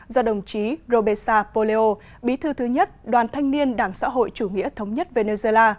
do đồng chí robesa poleo bí thư thứ nhất đoàn thanh niên đảng xã hội chủ nghĩa thống nhất venezuela